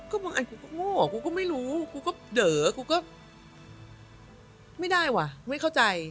บางอันกูก็โง่กูก็ไม่รู้กูก็เด๋อกูก็ไม่ได้ว่ะไม่เข้าใจ